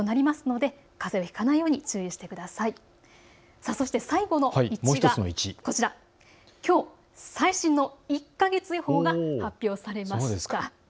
そして最後の１がこちら、きょう最新の１か月予報が発表されました。